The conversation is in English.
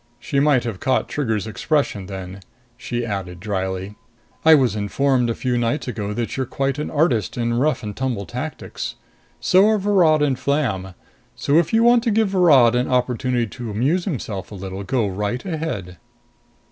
She might have caught Trigger's expression then. She added drily, "I was informed a few nights ago that you're quite an artist in rough and tumble tactics. So are Virod and Flam. So if you want to give Virod an opportunity to amuse himself a little, go right ahead!"